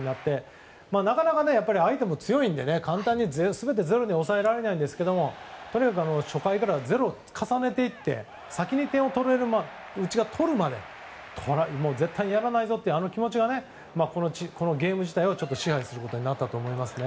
なかなか相手も強いので簡単に全て０には抑えられないんですけれどもとにかく初回から０を重ねていって先に点をうちが取るまで絶対やらないぞという気持ちがゲーム自体を支配することになったと思います。